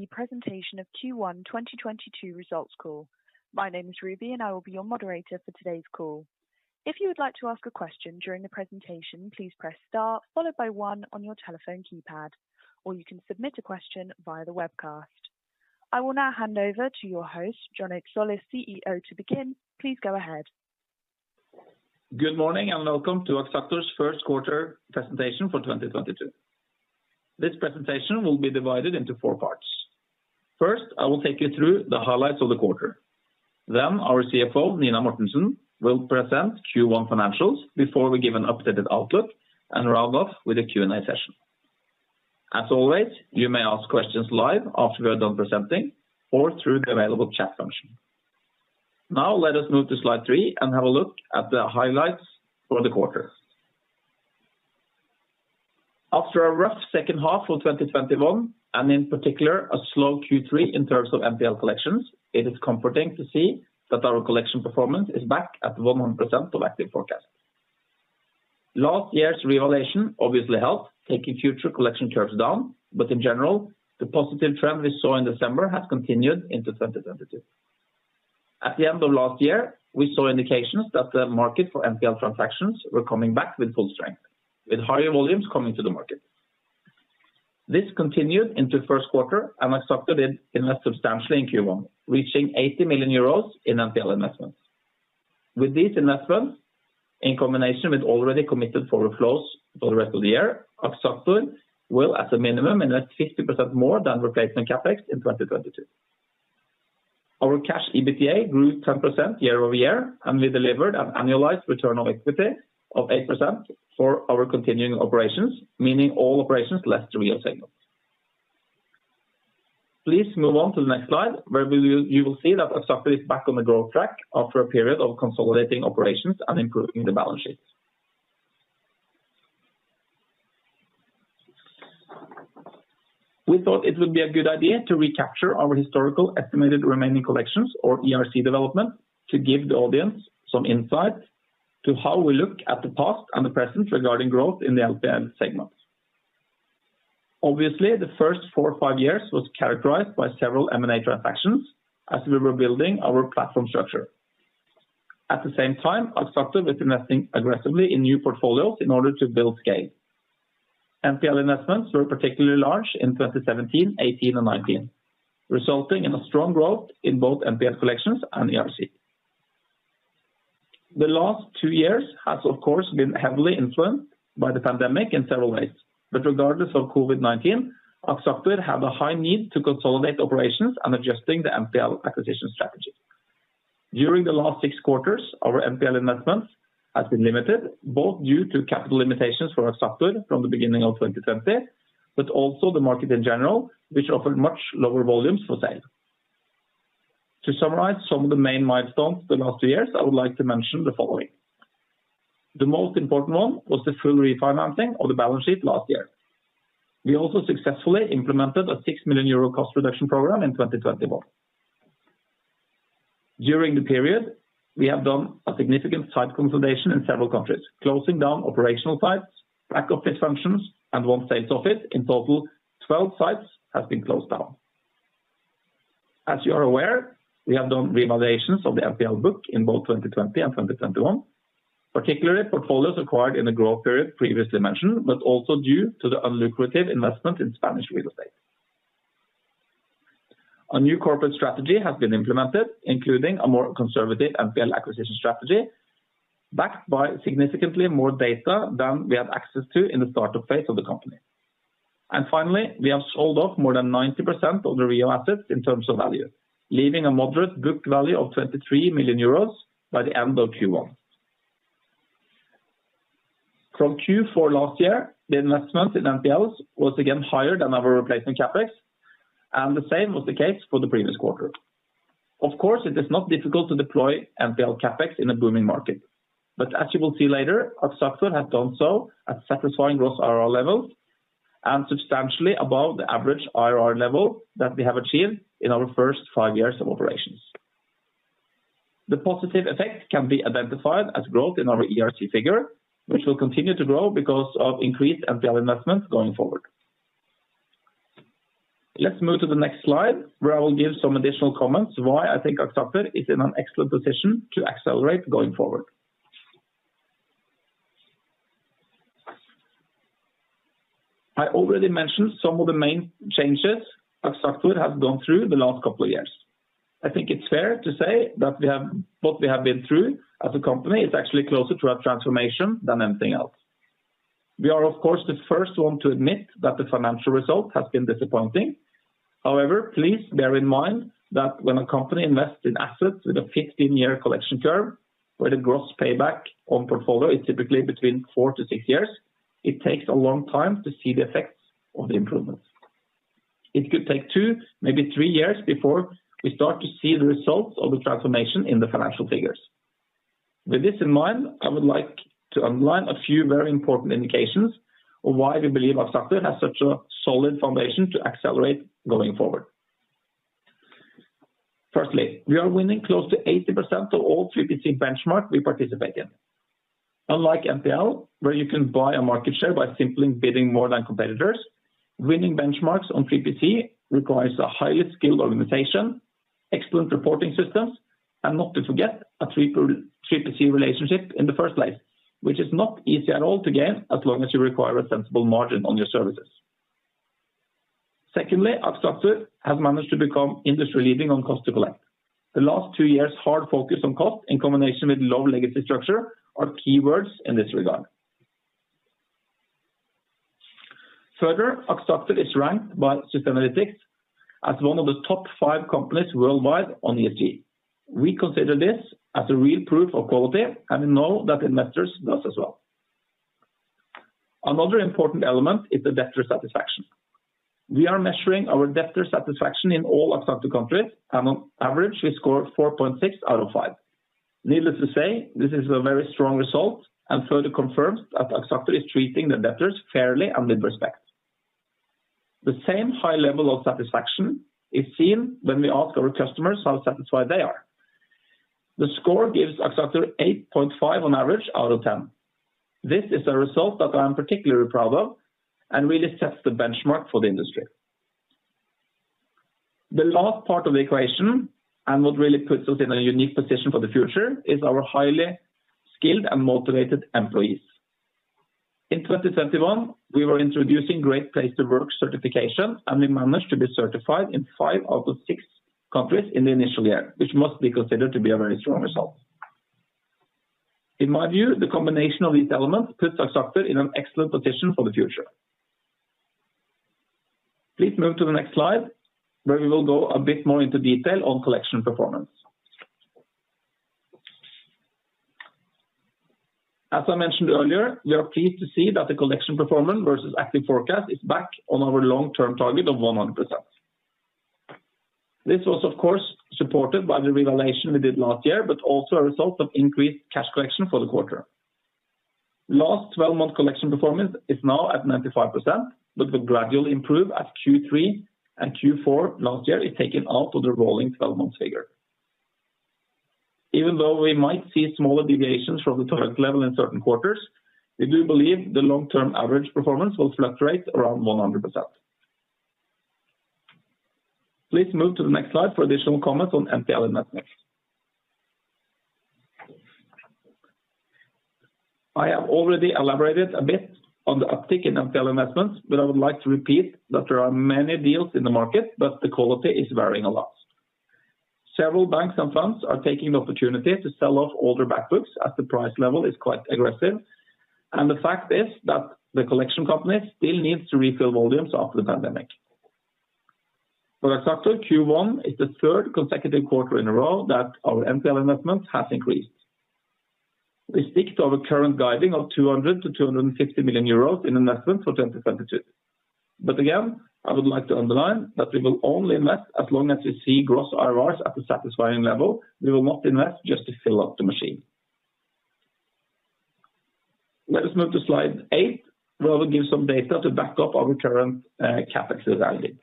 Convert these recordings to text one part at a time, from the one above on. The presentation of Q1 2022 Results Call. My name is Ruby, and I will be your moderator for today's call. If you would like to ask a question during the presentation, please press star followed by one on your telephone keypad, or you can submit a question via the webcast. I will now hand over to your host, Johnny Tsolis, CEO, to begin. Please go ahead. Good morning, and welcome to Axactor's first quarter presentation for 2022. This presentation will be divided into four parts. First, I will take you through the highlights of the quarter. Then our CFO, Nina Mortensen, will present Q1 financials before we give an updated outlook and round off with a Q&A session. As always, you may ask questions live after we're done presenting or through the available chat function. Now let us move to slide three and have a look at the highlights for the quarter. After a rough second half of 2021, and in particular, a slow Q3 in terms of NPL collections, it is comforting to see that our collection performance is back at 100% of active forecast. Last year's reevaluation obviously helped, taking future collection curves down, but in general, the positive trend we saw in December has continued into 2022. At the end of last year, we saw indications that the market for NPL transactions were coming back with full strength, with higher volumes coming to the market. This continued into first quarter, and Axactor did invest substantially in Q1, reaching 80 million euros in NPL investments. With these investments, in combination with already committed forward flows for the rest of the year, Axactor will, at a minimum, invest 50% more than replacement CapEx in 2022. Our cash EBITDA grew 10% year-over-year, and we delivered an annualized return on equity of 8% for our continuing operations, meaning all operations less REO segment. Please move on to the next slide, where you will see that Axactor is back on the growth track after a period of consolidating operations and improving the balance sheet. We thought it would be a good idea to recapture our historical estimated remaining collections or ERC development to give the audience some insight to how we look at the past and the present regarding growth in the NPL segment. Obviously, the first four or five years was characterized by several M&A transactions as we were building our platform structure. At the same time, Axactor was investing aggressively in new portfolios in order to build scale. NPL investments were particularly large in 2017, 2018, and 2019, resulting in a strong growth in both NPL collections and ERC. The last two years has, of course, been heavily influenced by the pandemic in several ways. Regardless of COVID-19, Axactor had a high need to consolidate operations and adjusting the NPL acquisition strategy. During the last six quarters, our NPL investments has been limited, both due to capital limitations for Axactor from the beginning of 2020, but also the market in general, which offered much lower volumes for sale. To summarize some of the main milestones the last two years, I would like to mention the following. The most important one was the full refinancing of the balance sheet last year. We also successfully implemented a 6 million euro cost reduction program in 2021. During the period, we have done a significant site consolidation in several countries, closing down operational sites, back-office functions, and one sales office. In total, 12 sites have been closed down. As you are aware, we have done reevaluations of the NPL book in both 2020 and 2021, particularly portfolios acquired in the growth period previously mentioned, but also due to the unattractive investment in Spanish REO. A new corporate strategy has been implemented, including a more conservative NPL acquisition strategy backed by significantly more data than we had access to in the startup phase of the company. Finally, we have sold off more than 90% of the REO assets in terms of value, leaving a moderate book value of 23 million euros by the end of Q1. From Q4 last year, the investment in NPLs was again higher than our replacement CapEx, and the same was the case for the previous quarter. Of course, it is not difficult to deploy NPL CapEx in a booming market. As you will see later, Axactor has done so at satisfying gross IRR levels and substantially above the average IRR level that we have achieved in our first five years of operations. The positive effect can be identified as growth in our ERC figure, which will continue to grow because of increased NPL investments going forward. Let's move to the next slide, where I will give some additional comments why I think Axactor is in an excellent position to accelerate going forward. I already mentioned some of the main changes Axactor has gone through the last couple of years. I think it's fair to say that what we have been through as a company is actually closer to a transformation than anything else. We are, of course, the first one to admit that the financial result has been disappointing. However, please bear in mind that when a company invests in assets with a 15-year collection term, where the gross payback on portfolio is typically between four to six years, it takes a long time to see the effects of the improvements. It could take two, maybe three years before we start to see the results of the transformation in the financial figures. With this in mind, I would like to underline a few very important indications on why we believe Axactor has such a solid foundation to accelerate going forward. Firstly, we are winning close to 80% of all 3PC benchmark we participate in. Unlike NPL, where you can buy a market share by simply bidding more than competitors, winning benchmarks on 3PC requires a highly skilled organization, excellent reporting systems, and not to forget, a 3PC relationship in the first place, which is not easy at all to gain as long as you require a sensible margin on your services. Secondly, Axactor has managed to become industry leading on cost to collect. The last two years, hard focus on cost in combination with low legacy structure are keywords in this regard. Further, Axactor is ranked by Sustainalytics as one of the top five companies worldwide on ESG. We consider this as a real proof of quality, and we know that investors does as well. Another important element is the debtor satisfaction. We are measuring our debtor satisfaction in all Axactor countries, and on average, we score 4.6 out of 5. Needless to say, this is a very strong result and further confirms that Axactor is treating the debtors fairly and with respect. The same high level of satisfaction is seen when we ask our customers how satisfied they are. The score gives Axactor 8.5 on average out of 10. This is a result that I am particularly proud of and really sets the benchmark for the industry. The last part of the equation, and what really puts us in a unique position for the future, is our highly skilled and motivated employees. In 2021, we were introducing Great Place to Work certification, and we managed to be certified in five out of six countries in the initial year, which must be considered to be a very strong result. In my view, the combination of these elements puts Axactor in an excellent position for the future. Please move to the next slide, where we will go a bit more into detail on collection performance. As I mentioned earlier, we are pleased to see that the collection performance versus active forecast is back on our long-term target of 100%. This was, of course, supported by the revaluation we did last year, but also a result of increased cash collection for the quarter. Last 12-month collection performance is now at 95%, but will gradually improve as Q3 and Q4 last year is taken out of the rolling 12-month figure. Even though we might see smaller deviations from the target level in certain quarters, we do believe the long-term average performance will fluctuate around 100%. Please move to the next slide for additional comments on NPL investments. I have already elaborated a bit on the uptick in NPL investments, but I would like to repeat that there are many deals in the market, but the quality is varying a lot. Several banks and firms are taking the opportunity to sell off all their back books as the price level is quite aggressive. The fact is that the collection companies still needs to refill volumes after the pandemic. For Axactor, Q1 is the third consecutive quarter in a row that our NPL investments has increased. We stick to our current guiding of 200 million-250 million euros in investment for 2022. Again, I would like to underline that we will only invest as long as we see gross IRRs at a satisfying level. We will not invest just to fill up the machine. Let us move to slide eight, where we give some data to back up our current CapEx evaluation.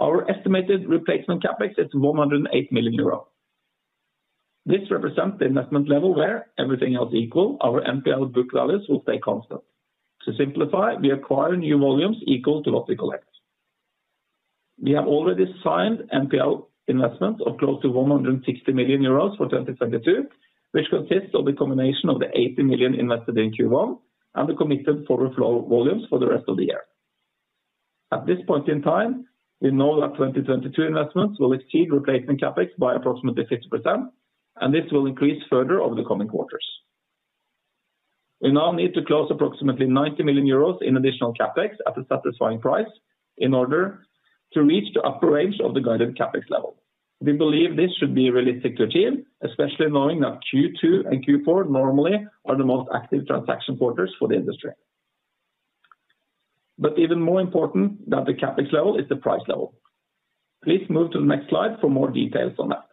Our estimated replacement CapEx is 108 million euro. This represents the investment level where everything else equal, our NPL book values will stay constant. To simplify, we acquire new volumes equal to what we collect. We have already signed NPL investments of close to 160 million euros for 2022, which consists of the combination of the 80 million invested in Q1, and the commitment for the flow of volumes for the rest of the year. At this point in time, we know that 2022 investments will exceed replacement CapEx by approximately 50%, and this will increase further over the coming quarters. We now need to close approximately 90 million euros in additional CapEx at a satisfying price in order to reach the upper range of the guided CapEx level. We believe this should be realistic to achieve, especially knowing that Q2 and Q4 normally are the most active transaction quarters for the industry. Even more important than the CapEx level is the price level. Please move to the next slide for more details on that.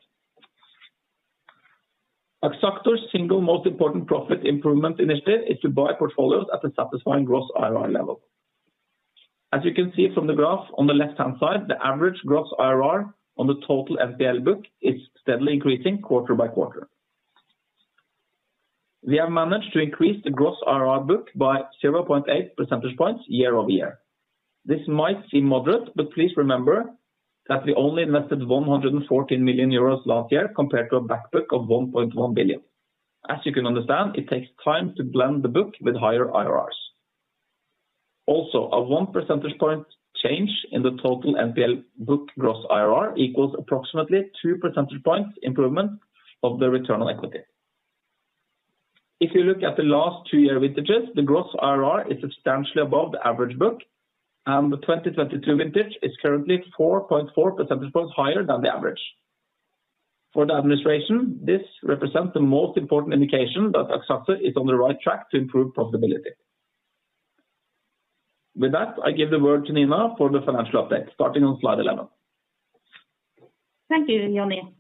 Axactor's single most important profit improvement initiative is to buy portfolios at a satisfying gross IRR level. As you can see from the graph on the left-hand side, the average gross IRR on the total NPL book is steadily increasing quarter by quarter. We have managed to increase the gross IRR book by 0.8 percentage points year-over-year. This might seem moderate, but please remember that we only invested 114 million euros last year compared to a back book of 1.1 billion. As you can understand, it takes time to blend the book with higher IRRs. Also, a one percentage point change in the total NPL book gross IRR equals approximately two percentage points improvement of the return on equity. If you look at the last two-year vintages, the gross IRR is substantially above the average book, and the 2022 vintage is currently 4.4 percentage points higher than the average. For the administration, this represents the most important indication that Axactor is on the right track to improve profitability. With that, I give the word to Nina for the financial update, starting on slide 11. Thank you, Johnny.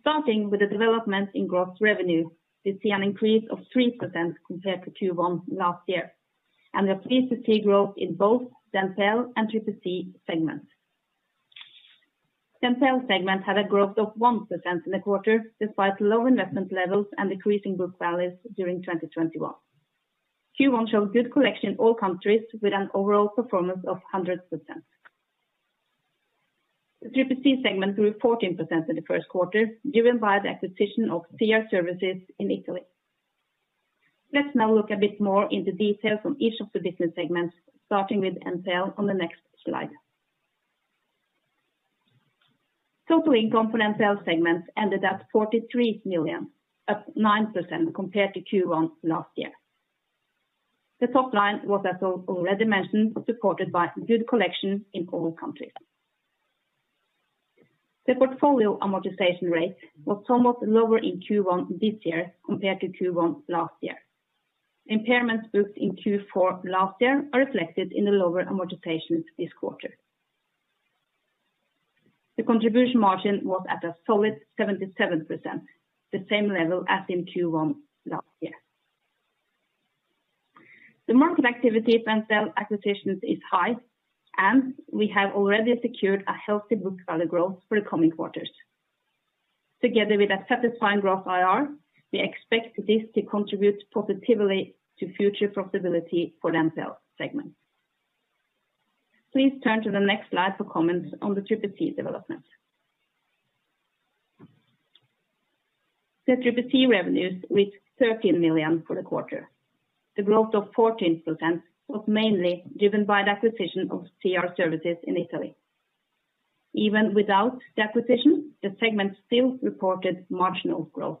Starting with the development in gross revenue, we see an increase of 3% compared to Q1 last year, and we are pleased to see growth in both NPL and 3PC segments. NPL segment had a growth of 1% in the quarter despite low investment levels and decreasing book values during 2021. Q1 showed good collection in all countries with an overall performance of 100%. The 3PC segment grew 14% in the first quarter, driven by the acquisition of C.R. Service in Italy. Let's now look a bit more into details on each of the business segments, starting with NPL on the next slide. Total income for NPL segments ended at 43 million, up 9% compared to Q1 last year. The top line was, as already mentioned, supported by good collection in all countries. The portfolio amortization rate was somewhat lower in Q1 this year compared to Q1 last year. Impairments booked in Q4 last year are reflected in the lower amortization this quarter. The contribution margin was at a solid 77%, the same level as in Q1 last year. The market activity of NPL acquisitions is high, and we have already secured a healthy book value growth for the coming quarters. Together with a satisfying gross IRR, we expect this to contribute positively to future profitability for NPL segment. Please turn to the next slide for comments on the 3PC development. The 3PC revenues reached 13 million for the quarter. The growth of 14% was mainly driven by the acquisition of C.R. Service in Italy. Even without the acquisition, the segment still reported marginal growth.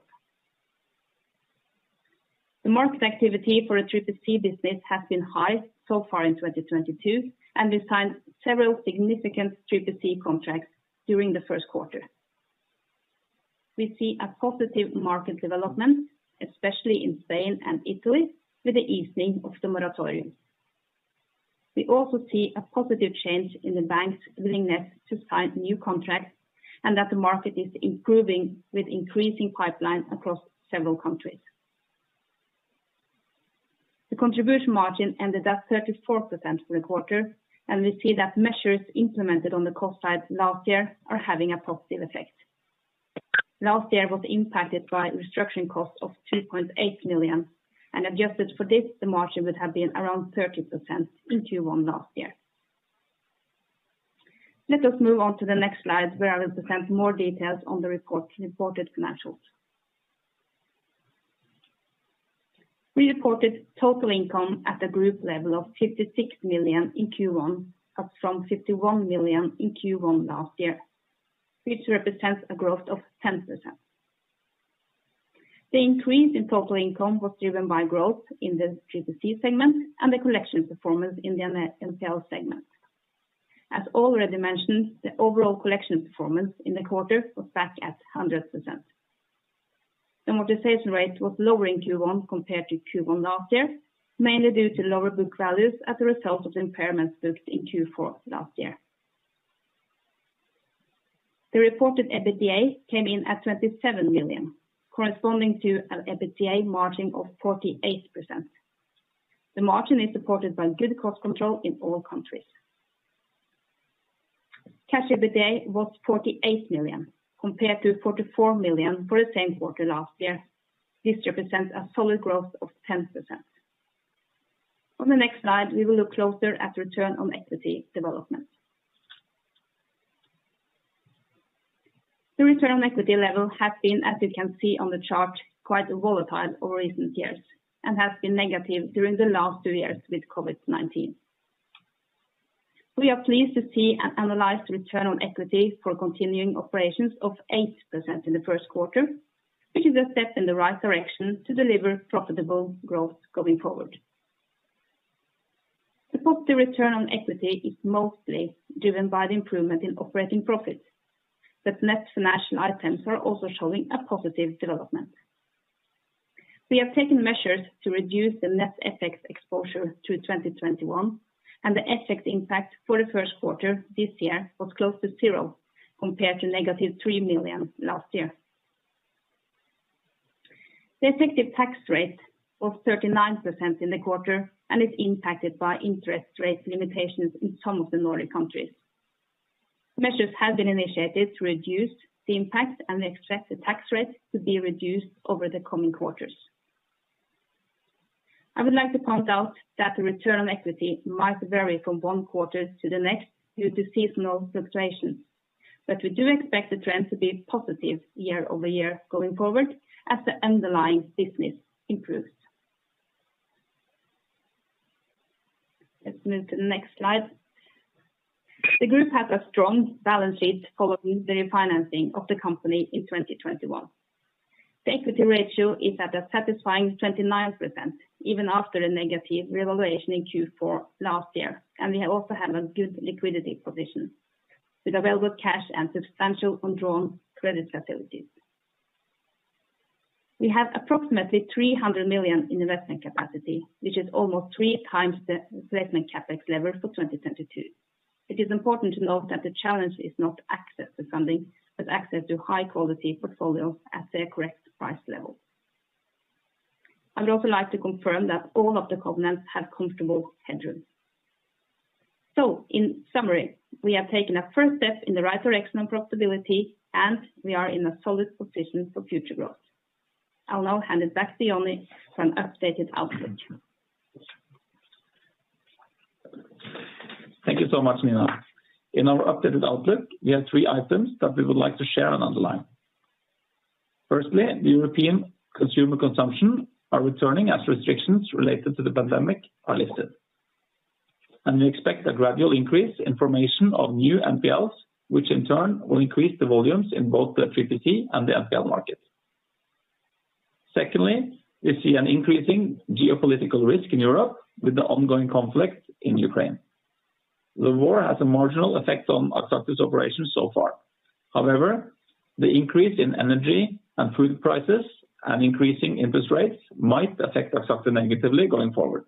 The market activity for a 3PC business has been high so far in 2022, and we signed several significant 3PC contracts during the first quarter. We see a positive market development, especially in Spain and Italy, with the easing of the moratorium. We also see a positive change in the bank's willingness to sign new contracts and that the market is improving with increasing pipeline across several countries. The contribution margin ended at 34% for the quarter, and we see that measures implemented on the cost side last year are having a positive effect. Last year was impacted by restructuring costs of 2.8 million, and adjusted for this, the margin would have been around 30% in Q1 last year. Let us move on to the next slide, where I will present more details on the reported financials. We reported total income at a group level of 56 million in Q1, up from 51 million in Q1 last year, which represents a growth of 10%. The increase in total income was driven by growth in the 3PC segment and the collection performance in the NPL segment. As already mentioned, the overall collection performance in the quarter was back at 100%. The amortization rate was lower in Q1 compared to Q1 last year, mainly due to lower book values as a result of impairments booked in Q4 last year. The reported EBITDA came in at 27 million, corresponding to an EBITDA margin of 48%. The margin is supported by good cost control in all countries. Cash EBITDA was 48 million compared to 44 million for the same quarter last year. This represents a solid growth of 10%. On the next slide, we will look closer at return on equity development. The return on equity level has been, as you can see on the chart, quite volatile over recent years and has been negative during the last two years with COVID-19. We are pleased to see an analyzed return on equity for continuing operations of 8% in the first quarter, which is a step in the right direction to deliver profitable growth going forward. The positive return on equity is mostly driven by the improvement in operating profits, but net financial items are also showing a positive development. We have taken measures to reduce the net FX exposure through 2021, and the FX impact for the first quarter this year was close to zero compared to negative 3 million last year. The effective tax rate was 39% in the quarter and is impacted by interest rate limitations in some of the Nordic countries. Measures have been initiated to reduce the impact and the expected tax rate to be reduced over the coming quarters. I would like to point out that the return on equity might vary from one quarter to the next due to seasonal fluctuations, but we do expect the trend to be positive year-over-year going forward as the underlying business improves. Let's move to the next slide. The group has a strong balance sheet following the refinancing of the company in 2021. The equity ratio is at a satisfying 29%, even after a negative revaluation in Q4 last year. We also have a good liquidity position with available cash and substantial undrawn credit facilities. We have approximately 300 million in investment capacity, which is almost 3x the investment CapEx level for 2022. It is important to note that the challenge is not access to funding, but access to high quality portfolios at their correct price level. I would also like to confirm that all of the covenants have comfortable headroom. In summary, we have taken a first step in the right direction on profitability, and we are in a solid position for future growth. I'll now hand it back to Johnny for an updated outlook. Thank you so much, Nina. In our updated outlook, we have three items that we would like to share and underline. Firstly, European consumer consumption are returning as restrictions related to the pandemic are lifted. We expect a gradual increase in formation of new NPLs, which in turn will increase the volumes in both the 3PC and the NPL market. Secondly, we see an increasing geopolitical risk in Europe with the ongoing conflict in Ukraine. The war has a marginal effect on Axactor's operations so far. However, the increase in energy and food prices and increasing interest rates might affect Axactor negatively going forward.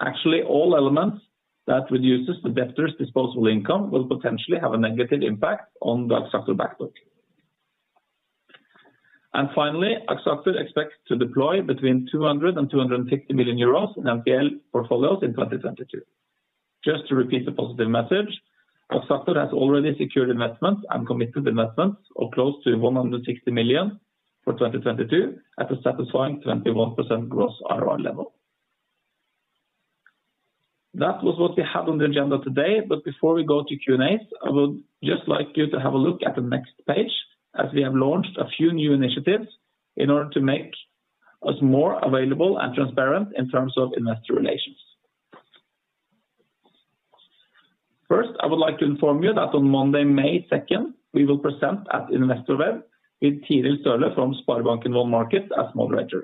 Actually, all elements that reduces the debtor's disposable income will potentially have a negative impact on the Axactor back book. Finally, Axactor expects to deploy between 200 million euros and EUR 260 million in NPL portfolios in 2022. Just to repeat the positive message, Axactor has already secured investments and committed investments of close to 160 million for 2022 at a satisfying 21% gross IRR level. That was what we had on the agenda today. Before we go to Q&A, I would just like you to have a look at the next page as we have launched a few new initiatives in order to make us more available and transparent in terms of investor relations. First, I would like to inform you that on Monday, May 2nd, we will present at Investorweb with Tiril Sørli from Sparebanken Loan Market as moderator.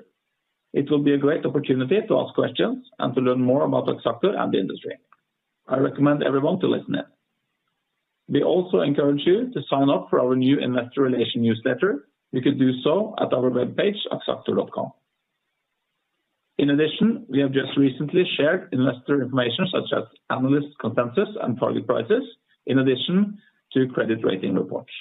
It will be a great opportunity to ask questions and to learn more about Axactor and the industry. I recommend everyone to listen in. We also encourage you to sign up for our new investor relation newsletter. You can do so at our webpage, axactor.com. In addition, we have just recently shared investor information such as analyst consensus and target prices, in addition to credit rating reports.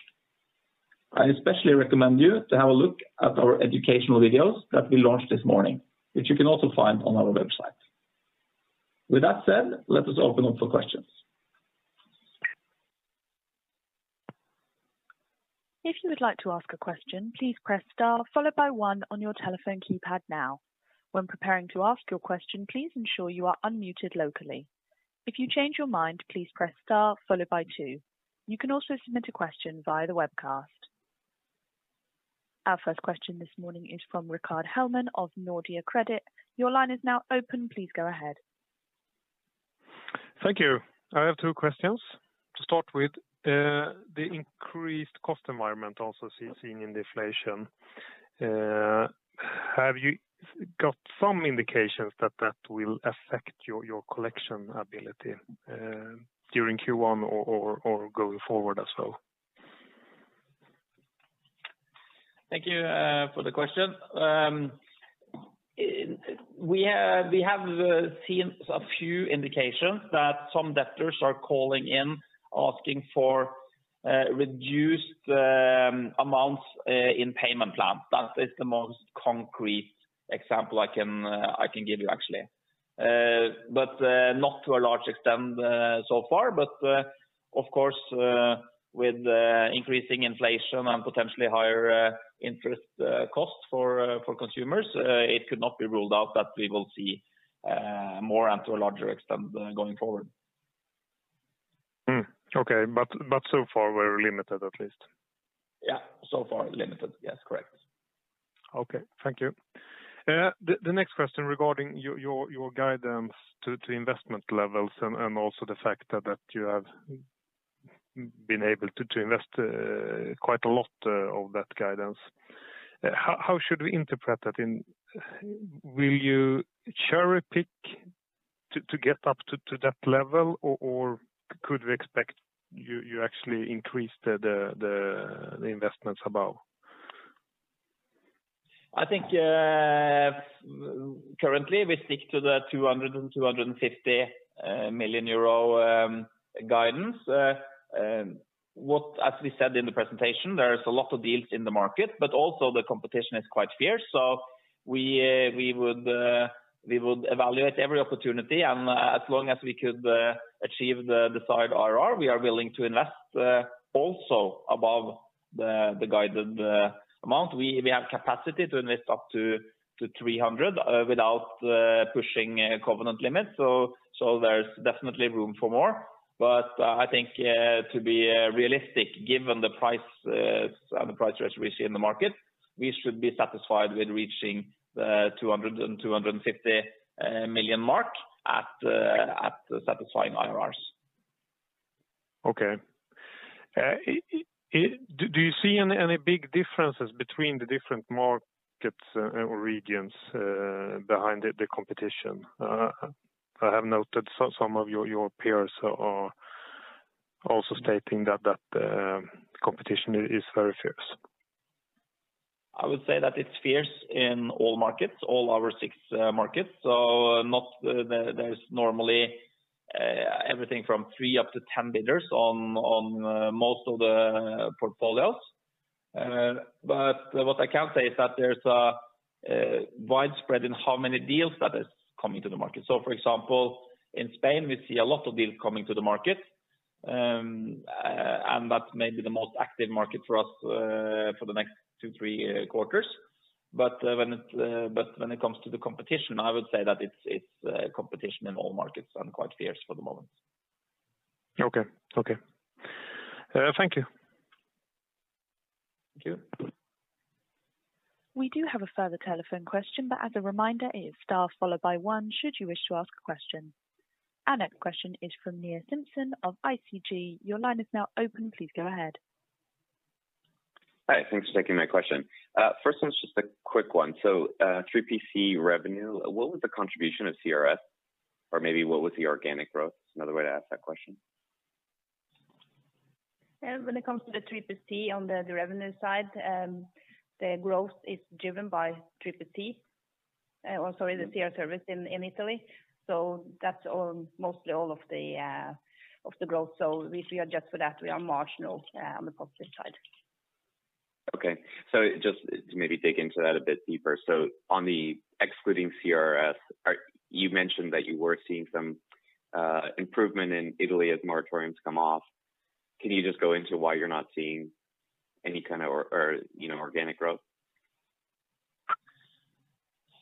I especially recommend you to have a look at our educational videos that we launched this morning, which you can also find on our website. With that said, let us open up for questions. If you would like to ask a question, please press star followed by one on your telephone keypad now. When preparing to ask your question, please ensure you are unmuted locally. If you change your mind, please press star followed by two. You can also submit a question via the webcast. Our first question this morning is from Rickard Hellman of Nordea Credit. Your line is now open. Please go ahead. Thank you. I have two questions. To start with, the increased cost environment also seen in the inflation. Have you got some indications that will affect your collection ability during Q1 or going forward as well? Thank you for the question. We have seen a few indications that some debtors are calling in asking for reduced amounts in payment plan. That is the most concrete example I can give you, actually. Not to a large extent so far. Of course, with increasing inflation and potentially higher interest costs for consumers, it could not be ruled out that we will see more and to a larger extent going forward. So far we're limited at least. Yeah. So far limited. Yes, correct. Okay. Thank you. The next question regarding your guidance to investment levels and also the fact that you have been able to invest quite a lot of that guidance. How should we interpret that. Will you cherry-pick to get up to that level or could we expect you actually increase the investments above? I think currently we stick to the 200-250 million euro guidance. As we said in the presentation, there is a lot of deals in the market, but also the competition is quite fierce. We would evaluate every opportunity and as long as we could achieve the desired IRR, we are willing to invest also above the guided amount. We have capacity to invest up to 300 without pushing covenant limits. There's definitely room for more. I think to be realistic, given the price and the price range we see in the market, we should be satisfied with reaching the 200-250 million mark at satisfying IRRs. Okay. Do you see any big differences between the different markets or regions behind the competition? I have noted some of your peers are also stating that competition is very fierce. I would say that it's fierce in all markets, all our six markets. There's normally everything from three up to 10 bidders on most of the portfolios. What I can say is that there's a widespread in how many deals that is coming to the market. For example, in Spain, we see a lot of deals coming to the market. That's maybe the most active market for us for the next two, three quarters. When it comes to the competition, I would say that it's competition in all markets and quite fierce for the moment. Okay. Thank you. Thank you. We do have a further telephone question, but as a reminder, it is star followed by one, should you wish to ask a question. Our next question is from Neil Simpson of ICG. Your line is now open. Please go ahead. Hi. Thanks for taking my question. First one's just a quick one. 3PC revenue, what was the contribution of C.R. Service? Or maybe what was the organic growth? Another way to ask that question. When it comes to the 3PC on the revenue side, the growth is driven by 3PC. Sorry, C.R. Service in Italy. That's mostly all of the growth. If we adjust for that, we are marginal on the positive side. Just to maybe dig into that a bit deeper. On the excluding C.R. Service, you mentioned that you were seeing some improvement in Italy as moratoriums come off. Can you just go into why you're not seeing any kind of, you know, organic growth?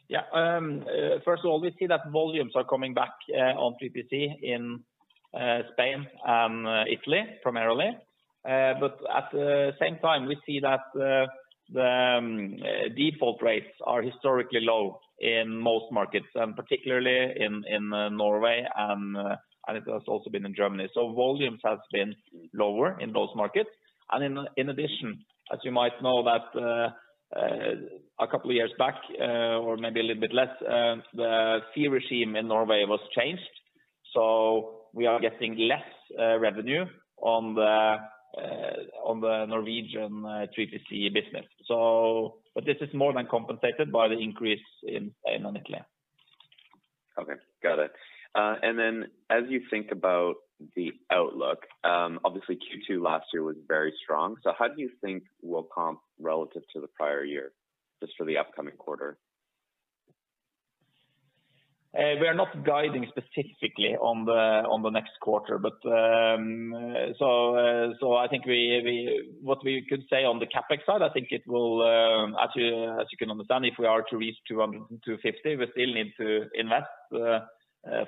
Yeah. First of all, we see that volumes are coming back on 3PC in Spain and Italy primarily. At the same time, we see that the default rates are historically low in most markets, and particularly in Norway, and it has also been in Germany. Volumes has been lower in those markets. In addition, as you might know, that a couple of years back, or maybe a little bit less, the fee regime in Norway was changed. We are getting less revenue on the on the Norwegian 3PC business. This is more than compensated by the increase in Italy. Okay. Got it. As you think about the outlook, obviously Q2 last year was very strong. How do you think will comp relative to the prior year just for the upcoming quarter? We are not guiding specifically on the next quarter, but I think what we could say on the CapEx side, I think it will, as you can understand, if we are to reach 200-250, we still need to invest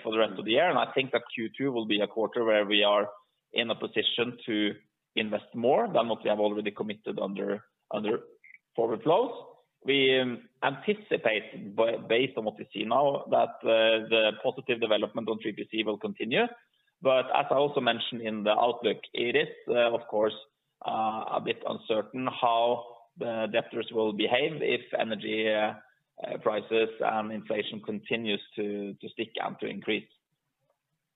for the rest of the year. I think that Q2 will be a quarter where we are in a position to invest more than what we have already committed under forward flows. We anticipate, based on what we see now, that the positive development on 3PC will continue. As I also mentioned in the outlook, it is, of course, a bit uncertain how the debtors will behave if energy prices and inflation continues to stick and to increase.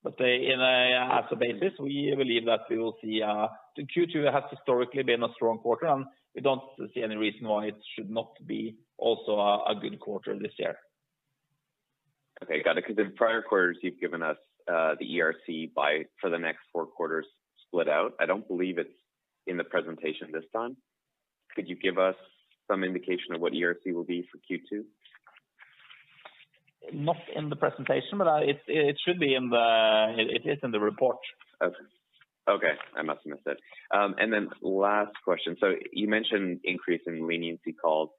As a basis, we believe that we will see. The Q2 has historically been a strong quarter, and we don't see any reason why it should not be also a good quarter this year. Okay. Got it. Because in prior quarters, you've given us the ERC for the next four quarters split out. I don't believe it's in the presentation this time. Could you give us some indication of what ERC will be for Q2? Not in the presentation, but it is in the report. Okay. I must have missed it. Last question. You mentioned increase in leniency calls.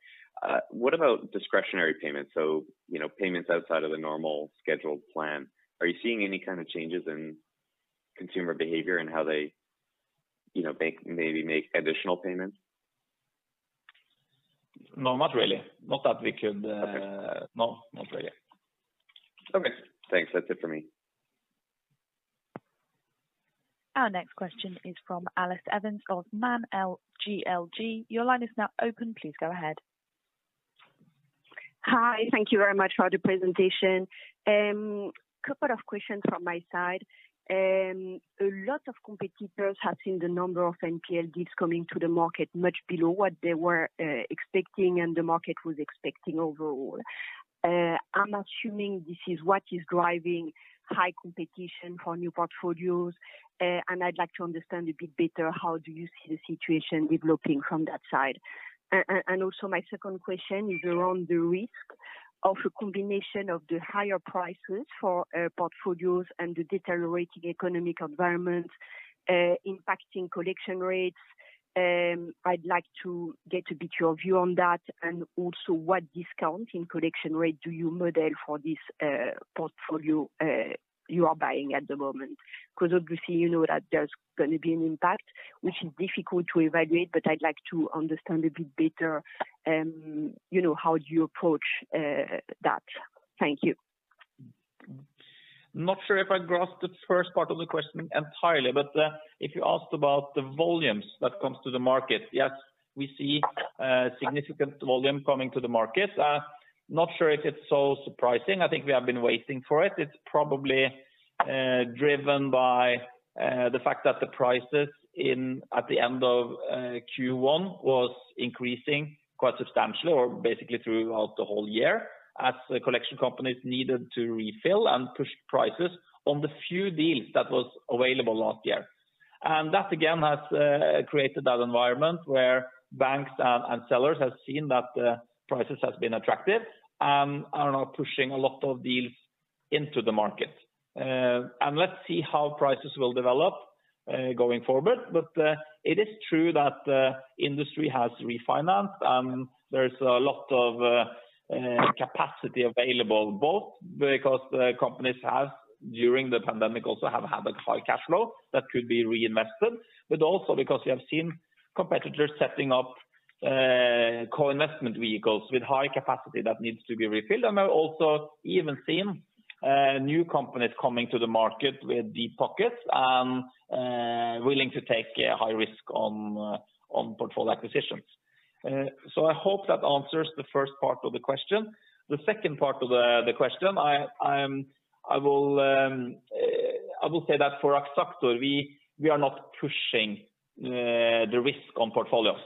What about discretionary payments? You know, payments outside of the normal scheduled plan. Are you seeing any kind of changes in consumer behavior and how they, you know, maybe make additional payments? No, not really. Not that we could. Okay. No, not really. Okay. Thanks. That's it for me. Our next question is from Elise Evans of Man GLG. Your line is now open. Please go ahead. Hi. Thank you very much for the presentation. A couple of questions from my side. A lot of competitors have seen the number of NPL deals coming to the market much below what they were expecting and the market was expecting overall. I'm assuming this is what is driving high competition for new portfolios. And I'd like to understand a bit better, how do you see the situation developing from that side? And also my second question is around the risk of a combination of the higher prices for portfolios and the deteriorating economic environment impacting collection rates. I'd like to get a bit of your view on that and also what discount in collection rate do you model for this portfolio you are buying at the moment? Because obviously, you know that there's gonna be an impact which is difficult to evaluate, but I'd like to understand a bit better, you know, how you approach, that. Thank you. Not sure if I grasped the first part of the question entirely, but if you asked about the volumes that comes to the market, yes, we see significant volume coming to the market. Not sure if it's so surprising. I think we have been waiting for it. It's probably driven by the fact that the prices at the end of Q1 was increasing quite substantially or basically throughout the whole year as the collection companies needed to refill and push prices on the few deals that was available last year. That again has created that environment where banks and sellers have seen that prices has been attractive and are now pushing a lot of deals into the market. Let's see how prices will develop going forward. It is true that the industry has refinanced and there's a lot of capacity available, both because the companies have during the pandemic also have had a high cash flow that could be reinvested, but also because we have seen competitors setting up co-investment vehicles with high capacity that needs to be refilled. We've also even seen new companies coming to the market with deep pockets and willing to take a high risk on portfolio acquisitions. I hope that answers the first part of the question. The second part of the question I will say that for Axactor, we are not pushing the risk on portfolios.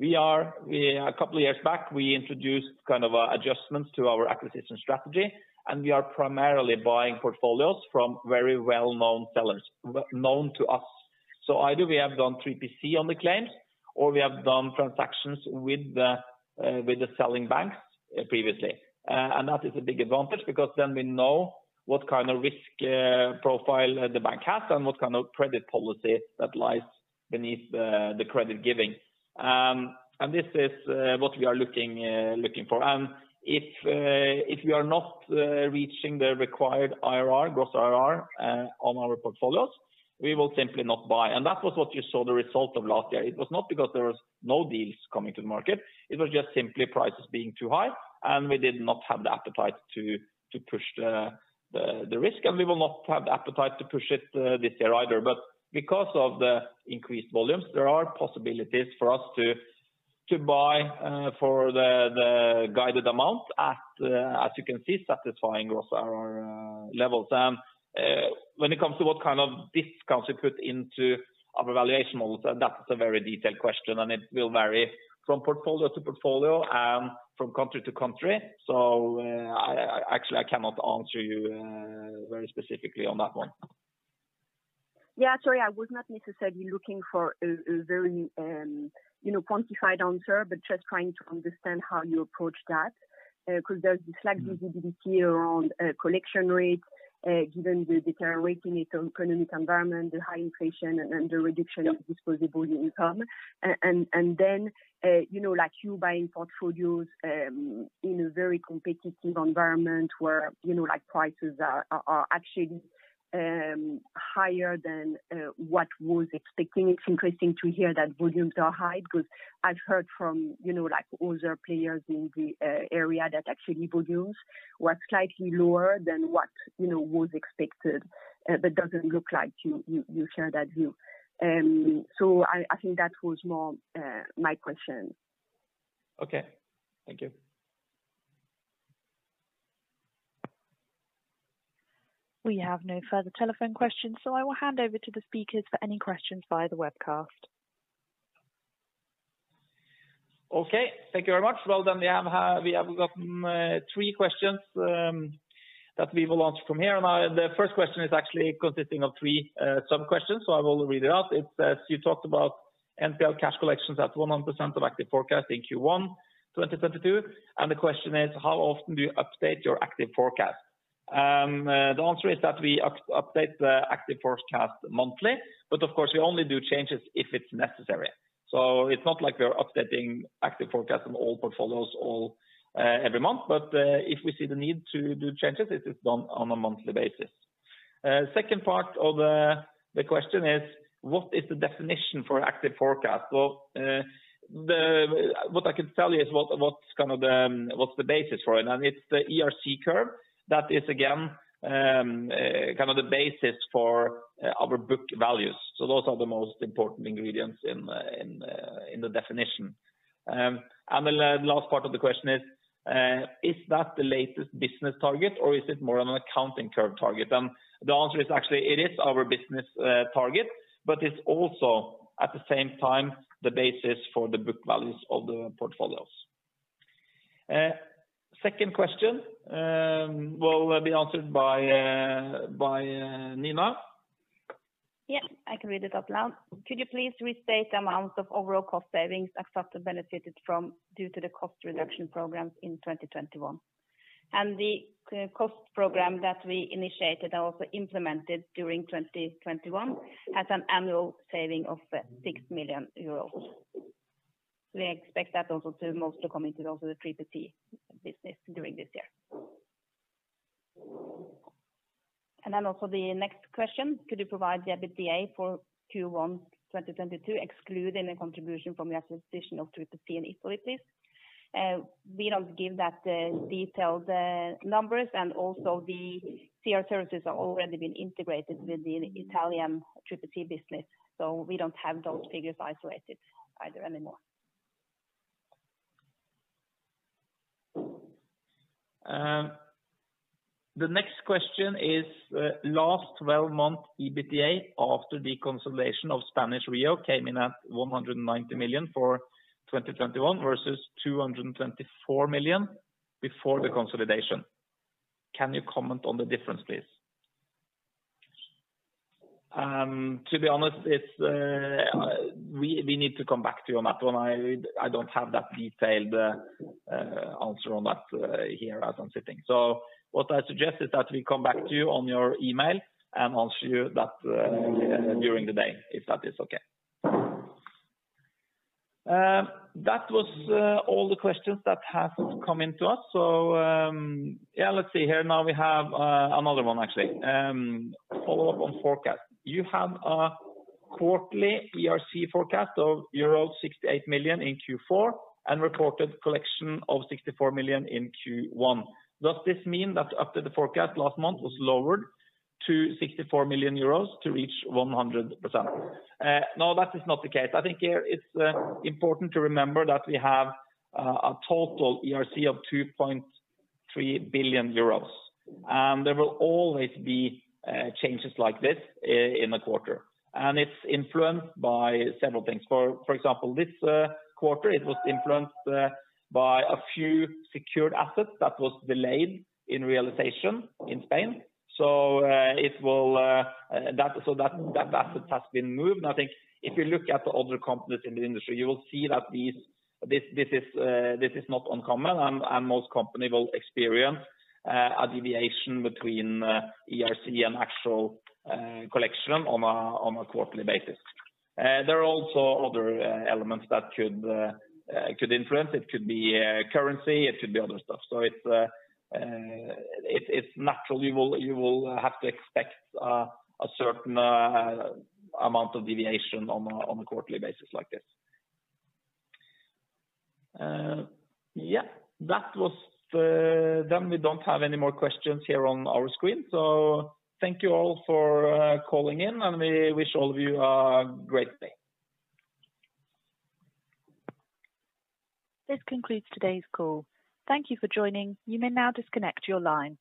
A couple of years back, we introduced kind of adjustments to our acquisition strategy, and we are primarily buying portfolios from very well-known sellers known to us. So either we have done 3PC on the claims, or we have done transactions with the selling banks previously. That is a big advantage because then we know what kind of risk profile the bank has and what kind of credit policy that lies beneath the credit giving. This is what we are looking for. If we are not reaching the required IRR, gross IRR, on our portfolios, we will simply not buy. That was what you saw the result of last year. It was not because there was no deals coming to the market, it was just simply prices being too high, and we did not have the appetite to push the risk, and we will not have the appetite to push it this year either. Because of the increased volumes, there are possibilities for us to buy for the guided amount at, as you can see, satisfying gross IRR levels. When it comes to what kind of discounts we put into our valuation models, that is a very detailed question, and it will vary from portfolio to portfolio and from country to country. I actually cannot answer you very specifically on that one. Yeah, sorry, I was not necessarily looking for a very, you know, quantified answer, but just trying to understand how you approach that. Because there's this lack of visibility around collection rates, given the deteriorating economic environment, the high inflation and the reduction of disposable income. And then, you know, like you buying portfolios in a very competitive environment where, you know, like prices are actually higher than what was expected. It's interesting to hear that volumes are high because I've heard from, you know, like other players in the area that actually volumes were slightly lower than what was expected. That doesn't look like you share that view. I think that was more my question. Okay. Thank you. We have no further telephone questions, so I will hand over to the speakers for any questions via the webcast. Okay. Thank you very much. Well then we have gotten three questions that we will answer from here. Now the first question is actually consisting of three sub-questions, so I will read it out. It says you talked about NPL cash collections at 100% of active forecast in Q1 2022. The question is how often do you update your active forecast? The answer is that we update the active forecast monthly, but of course we only do changes if it's necessary. It's not like we are updating active forecast on all portfolios every month. If we see the need to do changes, it is done on a monthly basis. Second part of the question is what is the definition for active forecast? Well, what I can tell you is what's the basis for it. It's the ERC curve that is again kind of the basis for our book values. Those are the most important ingredients in the definition. The last part of the question is that the latest business target or is it more of an accounting curve target? The answer is actually it is our business target, but it's also at the same time the basis for the book values of the portfolios. Second question will be answered by Nina. Yeah, I can read it out loud. Could you please restate the amount of overall cost savings Axactor benefited from due to the cost reduction programs in 2021? The cost program that we initiated and also implemented during 2021 has an annual saving of 6 million euros. We expect that also to mostly come into also the 3PC business during this year. The next question, could you provide the EBITDA for Q1 2022 excluding the contribution from the acquisition of 3PC in Italy, please? We don't give that detailed numbers and also the C.R. Service are already been integrated with the Italian 3PC business, so we don't have those figures isolated either anymore. The next question is, last 12 month EBITDA after the consolidation of Spanish REO came in at 190 million for 2021 versus 224 million before the consolidation. Can you comment on the difference, please? To be honest, we need to come back to you on that one. I don't have that detailed answer on that here as I'm sitting. What I suggest is that we come back to you on your email and answer you that during the day, if that is okay. That was all the questions that have come into us. Yeah, let's see here. Now we have another one actually. Follow-up on forecast. You have a quarterly ERC forecast of euro 68 million in Q4 and reported collection of 64 million in Q1. Does this mean that after the forecast last month was lowered to 64 million euros to reach 100%? No, that is not the case. I think here it's important to remember that we have a total ERC of 2.3 billion euros. There will always be changes like this in a quarter. It's influenced by several things. For example, this quarter, it was influenced by a few secured assets that was delayed in realization in Spain. That asset has been moved. I think if you look at the other companies in the industry, you will see that this is not uncommon, and most company will experience a deviation between ERC and actual collection on a quarterly basis. There are also other elements that could influence. It could be currency, it could be other stuff. It's natural. You will have to expect a certain amount of deviation on a quarterly basis like this. Yeah. That was. We don't have any more questions here on our screen. Thank you all for calling in, and we wish all of you a great day. This concludes today's call. Thank you for joining. You may now disconnect your line.